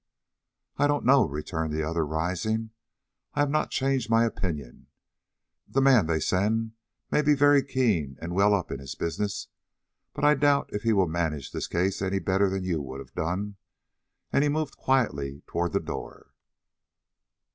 "I don't know," returned the other, rising. "I have not changed my opinion. The man they send may be very keen and very well up in his business, but I doubt if he will manage this case any better than you would have done," and he moved quietly toward the door.